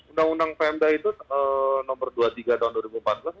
undang undang pmda itu nomor dua puluh tiga tahun dua ribu empat belas